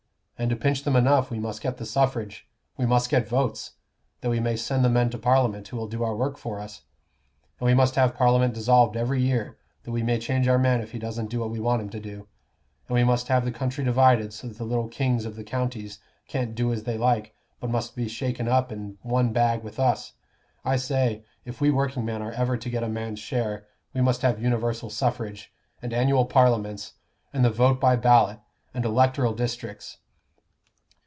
And to pinch them enough, we must get the suffrage, we must get votes, that we may send the men to Parliament who will do our work for us; and we must have Parliament dissolved every year, that we may change our man if he doesn't do what we want him to do; and we must have the country divided so that the little kings of the counties can't do as they like, but must be shaken up in one bag with us. I say, if we workingmen are ever to get a man's share, we must have universal suffrage, and annual Parliaments, and the vote by ballot, and electoral districts."